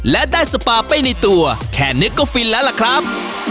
และได้สปาไปในตัวแค่นี้ก็ฟินแล้วล่ะครับ